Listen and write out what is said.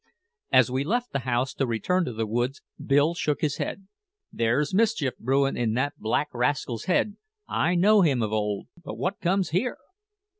As we left the house to return to the woods, Bill shook his head. "There's mischief brewin' in that black rascal's head. I know him of old. But what comes here?"